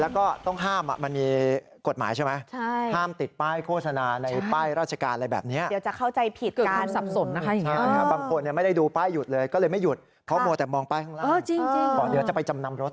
แล้วก็ต้องห้ามมันมีกฎหมายใช่ไหมห้ามติดป้ายโฆษณาในป้ายราชการอะไรแบบนี้